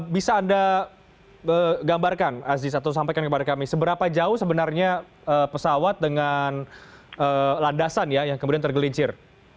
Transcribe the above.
bisa anda gambarkan aziz atau sampaikan kepada kami seberapa jauh sebenarnya pesawat dengan landasan ya yang kemudian tergelincir